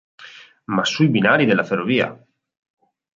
Ma sui binari della ferrovia.